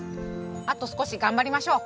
あと少し頑張りましょう。